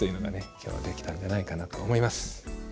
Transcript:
今日はできたんじゃないかなと思います。